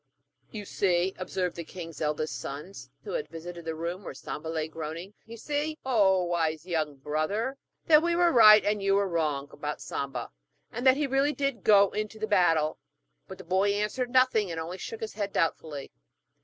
'You see,' observed the king's eldest sons, who had visited the room where Samba lay groaning, 'you see, O wise young brother, that we were right and you were wrong about Samba, and that he really did go into the battle.' But the boy answered nothing, and only shook his head doubtfully.